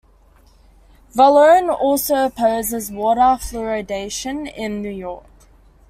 Vallone also opposes water fluoridation in New York.